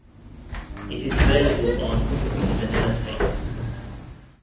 It is available on "The Vanilla Tapes".